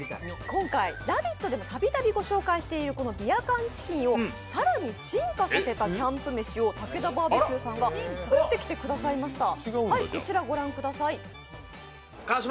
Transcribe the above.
今回、「ラヴィット！」でもたびたび御紹介しているビア缶チキンを更に進化させたキャンプ飯をたけだバーベキューさんが作ってきてくださいました。